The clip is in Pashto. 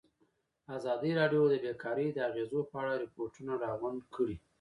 ازادي راډیو د بیکاري د اغېزو په اړه ریپوټونه راغونډ کړي.